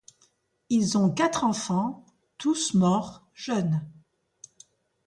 Ils ont quatre enfants, tous morts jeunes.